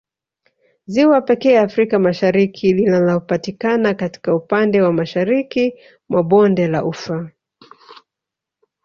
Ziwa pekee Afrika Mashariki linalopatikana katika upande wa mashariki mwa bonde la ufa